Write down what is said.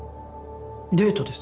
デートです